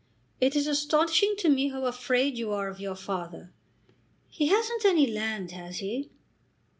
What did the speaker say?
"It is astonishing to me how afraid you are of your father. He hasn't any land, has he?"